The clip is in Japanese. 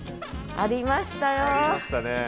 ありましたね。